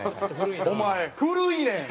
お前古いねん！